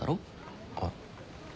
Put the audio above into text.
あっ。